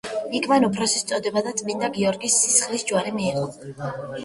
იქ მან უმცროსი ოფიცრის წოდება და „წმინდა გიორგის სისხლის ჯვარი“ მიიღო.